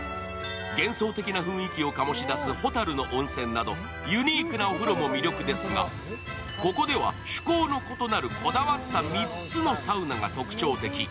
幻想的な雰囲気を醸し出すほたるの温泉などユニークなお風呂も魅力ですが、ここでは趣向の異なるこだわった３つのサウナが特徴的。